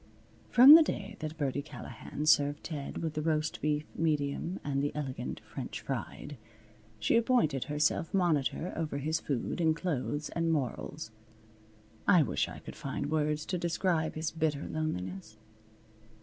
From the day that Birdie Callahan served Ted with the roast beef medium and the elegant French fried, she appointed herself monitor over his food and clothes and morals. I wish I could find words to describe his bitter loneliness.